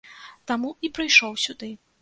Таму і прыйшоў сюды.